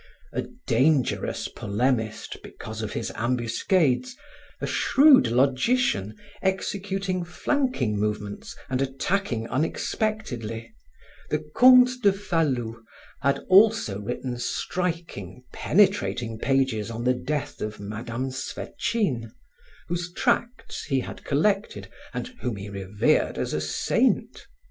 A dangerous polemist because of his ambuscades, a shrewd logician, executing flanking movements and attacking unexpectedly, the Comte de Falloux had also written striking, penetrating pages on the death of Madame Swetchine, whose tracts he had collected and whom he revered as a saint.